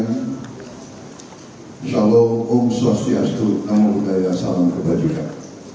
insyaallah umsos diastu namun salam kebaikan